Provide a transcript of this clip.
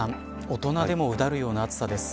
大人でもうだるような暑さです。